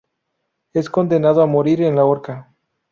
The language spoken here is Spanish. Es condenado a morir en la horca.